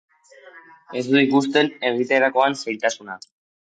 Ez du ikusten egitekoaren zailtasuna.